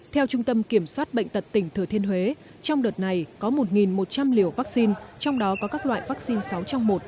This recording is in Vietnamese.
theo trung tâm kiểm soát bệnh tật tỉnh thừa thiên huế trong đợt này có một một trăm linh liều vaccine trong đó có các loại vaccine sáu trong một